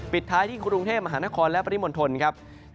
ปิดท้ายที่กรุงเทพมหานครและปริมณฑลครับ